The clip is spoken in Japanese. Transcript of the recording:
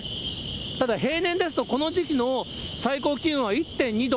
ただ平年ですと、この時期の最高気温は１．２度。